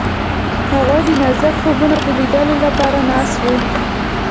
هغوی د نازک خوبونو د لیدلو لپاره ناست هم وو.